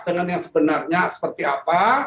dengan yang sebenarnya seperti apa